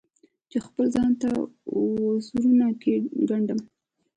چې خپل ځان ته وزرونه ګنډم